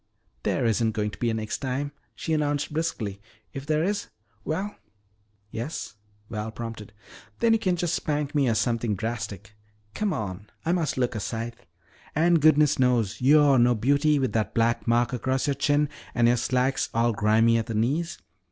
"There isn't going to be any next time," she announced briskly. "If there is well " "Yes?" Val prompted. "Then you can just spank me or something drastic. Come on, I must look a sight. And goodness knows, you're no beauty with that black mark across your chin and your slacks all grimy at the knees.